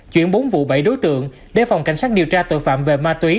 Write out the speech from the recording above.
chuyển bốn vụ bảy đối tượng để phòng cảnh sát điều tra tội phạm về ma túy